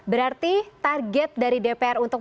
berarti target dari dpr untuk